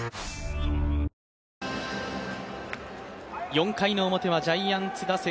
４回の表はジャイアンツ打線